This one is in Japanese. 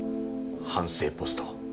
反省ポスト。